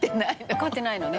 「量ってないのね」